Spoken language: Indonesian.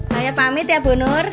kepada istri saja saya